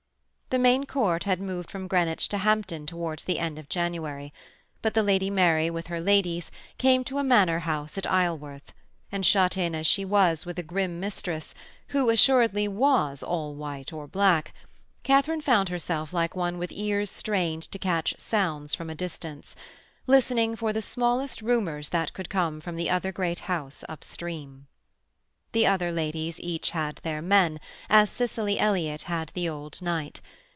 The main Court had moved from Greenwich to Hampton towards the end of January, but the Lady Mary, with her ladies, came to a manor house at Isleworth; and shut in as she was with a grim mistress who assuredly was all white or black Katharine found herself like one with ears strained to catch sounds from a distance, listening for the smallest rumours that could come from the other great house up stream. The other ladies each had their men, as Cicely Elliott had the old knight.